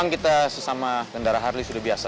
spiritual sesama penggemar harley iya gimana